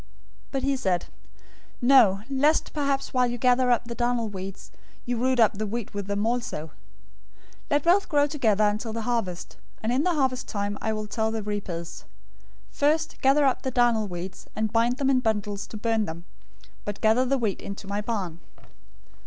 013:029 "But he said, 'No, lest perhaps while you gather up the darnel weeds, you root up the wheat with them. 013:030 Let both grow together until the harvest, and in the harvest time I will tell the reapers, "First, gather up the darnel weeds, and bind them in bundles to burn them; but gather the wheat into my barn."'"